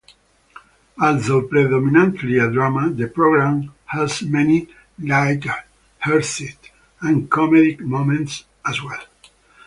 Although predominantly a drama, the program has many lighthearted and comedic moments as well.